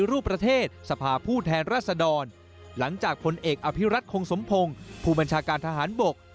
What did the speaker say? รัศดรหลังจากผลเอกอภิรัตคงสมพงศ์ผู้บัญชาการทหารบก